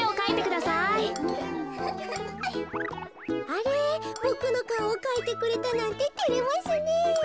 あれボクのかおをかいてくれたなんててれますねえ。